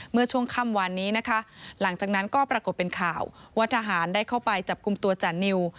เมื่อช่วงค่ำวานนี้นะคะหลังจากนั้นก็ปรากฏเป็นข่าวว่าทหารได้เข้าไปจับกลุ่มตัวจานิว